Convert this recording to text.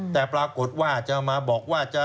แต่ปรากฏว่าจะมาบอกว่าจะ